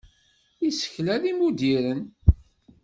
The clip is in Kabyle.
Isekla d imuddiren.